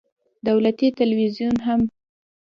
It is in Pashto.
دولتي ټلویزیون هم